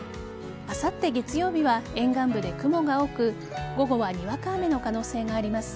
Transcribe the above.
あさって月曜日は沿岸部で雲が多く午後はにわか雨の可能性があります。